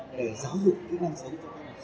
để giáo dục kỹ năng sống